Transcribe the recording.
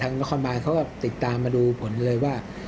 นครบานเขาก็ติดตามมาดูผลเลยว่า